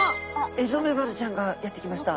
エゾメバルちゃんがやって来ました。